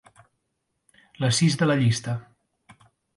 La sis de la llista.